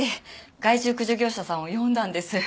害虫駆除業者さんを呼んだんです。